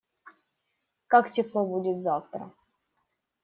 Как тепло будет завтра?